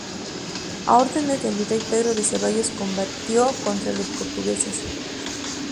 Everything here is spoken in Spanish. A órdenes del virrey Pedro de Ceballos combatió contra los portugueses.